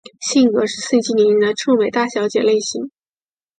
性格是盛气凌人的臭美大小姐类型。